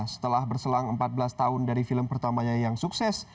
setelah berselang empat belas tahun dari film pertamanya yang sukses